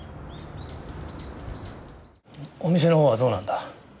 お店のほうはどうなんだ？